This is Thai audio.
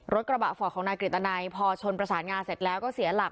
รถกระบะฟอร์ดของนายกฤตนัยพอชนประสานงานเสร็จแล้วก็เสียหลัก